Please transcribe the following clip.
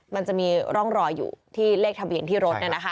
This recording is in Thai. มันจะมีร่องรอยอยู่ที่เลขทะเบียนที่รถ